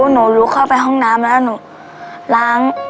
หนูลุกเข้าไปห้องน้ำแล้วหนูล้าง